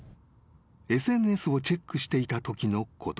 ［ＳＮＳをチェックしていたときのこと］